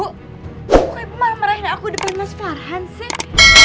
bukankah ibu marah marahin aku di depan mas farhan sih